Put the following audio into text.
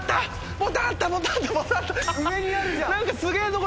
・上にあるじゃん。